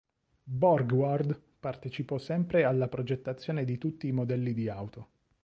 Borgward partecipò sempre alla progettazione di tutti i modelli di auto.